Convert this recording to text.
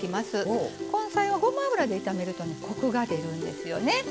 根菜はごま油で炒めるとねコクが出るんですよね。